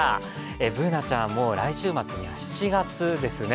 Ｂｏｏｎａちゃん、来週末は７月ですね。